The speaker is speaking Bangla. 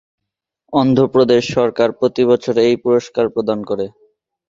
অন্ধ্রপ্রদেশ সরকার প্রতি বছর এই পুরস্কার প্রদান করে।